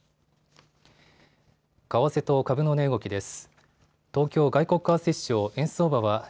為替と株の値動きです。